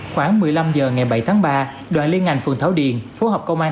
khoảng một mươi năm h ngày bảy tháng ba đoàn liên ngành phường thảo điền phối hợp công an